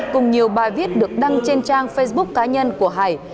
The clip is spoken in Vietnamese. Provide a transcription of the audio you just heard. cùng nhiều bài viết được đăng trên trang facebook cá nhân của hải